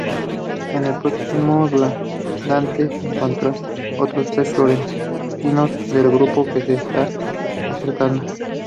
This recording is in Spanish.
En el próximo Dante encontrará otros tres florentinos del grupo que se está acercando.